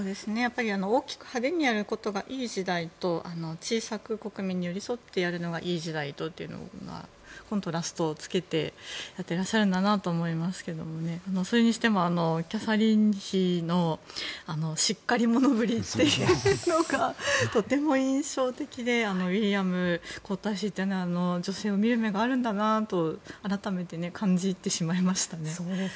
大きく派手にやることがいい時代と小さく国民に寄り添ってやるのがいい時代とをコントラストをつけてやってらっしゃるんだなと思いますけどそれにしてもキャサリン妃のしっかり者ぶりというのがとても印象的でウィリアム皇太子というのは女性を見る目があるんだなと改めて感じてしまいましたね。